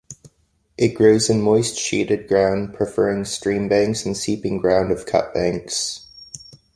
It grows in moist shaded ground, preferring stream banks and seeping ground of cut-banks.